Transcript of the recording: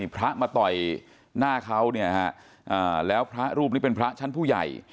พระมาต่อยหน้าเขาเนี่ยฮะแล้วพระรูปนี้เป็นพระชั้นผู้ใหญ่